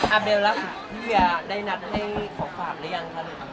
อ่าเบลแล้วพี่เบียได้นัดให้ขอขอบรึยัง